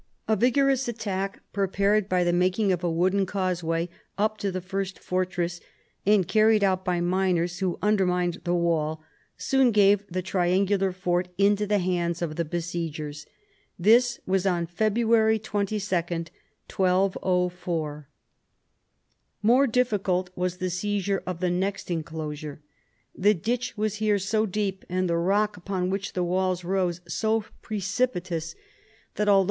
A vigorous attack, prepared by the making of a wooden causeway up to the first fortress, and carried out by miners, who undermined the wall, soon gave the triangular fort into the hands of the besiegers. This was on February 22, 1204. More difficult was the seizure of the next enclosure. The ditch was here so deep, and the rock upon which the walls rose so precipitous, that although 78 PHILIP AUGUSTUS chap.